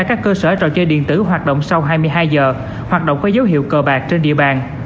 các cơ sở trò chơi điện tử hoạt động sau hai mươi hai h hoạt động có dấu hiệu cờ bạc trên địa bàn